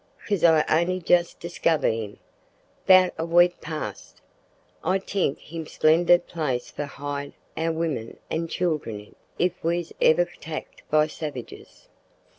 "'Cause I on'y just diskiver him, 'bout a week past. I t'ink him splendid place for hide our wimen an childers in, if we's iver 'tacked by savages.